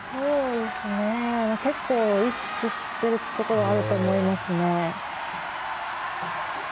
結構、意識しているところあると思いますね。